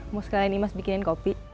mau sekalian nih mas bikinin kopi